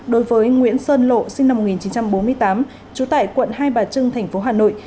đối với nguyễn sơn lộ sinh năm một nghìn chín trăm bốn mươi tám trú tại quận hai bà trưng tp hà nội